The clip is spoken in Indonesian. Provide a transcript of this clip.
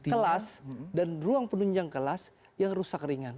itu adalah sebuah penunjang kelas yang rusak ringan